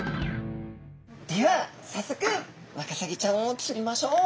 ではさっそくワカサギちゃんを釣りましょう。